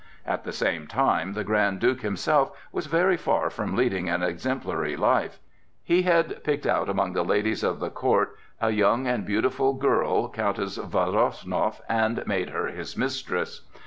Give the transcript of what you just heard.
At the same time the Grand Duke himself was very far from leading an exemplary life. He had picked out among the ladies of the court a young and beautiful girl, Countess Woronzow, and made her his mistress.